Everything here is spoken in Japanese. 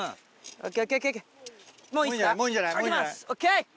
ＯＫ。